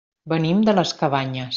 Venim de les Cabanyes.